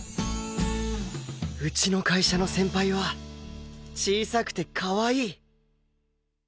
うちの会社の先輩は小さくてかわいい